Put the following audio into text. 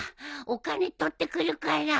お金取ってくるから。